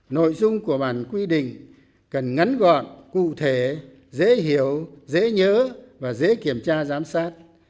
nội dung của bản quy định cần ngắn gọn cụ thể dễ hiểu dễ nhớ và dễ kiểm tra giám sát